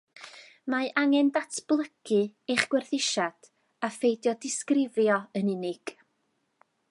Mae angen datblygu eich gwerthusiad, a cheisio peidio disgrifio yn unig